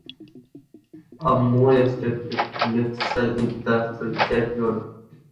A more exact measure is the Sunset zone.